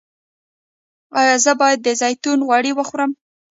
ایا زه باید د زیتون غوړي وخورم؟